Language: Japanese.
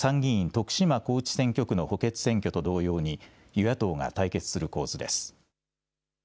徳島高知選挙区の補欠選挙と同様に与野党が対決する構図です。